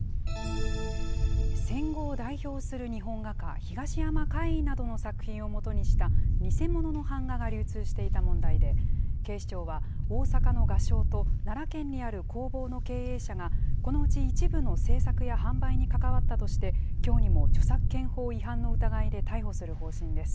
戦後を代表する日本画家、東山魁夷などの作品をもとにした偽物の版画が流通していた問題で、警視庁は、大阪の画商と、奈良県にある工房の経営者がこのうち一部の制作や販売に関わったとして、きょうにも著作権法違反の疑いで逮捕する方針です。